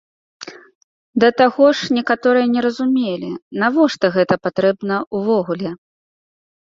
Да таго ж некаторыя не разумелі, навошта гэта патрэбна ўвогуле.